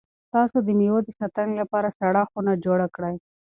تاسو د مېوو د ساتنې لپاره سړه خونه جوړه کړئ.